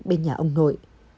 bên nhà ông nội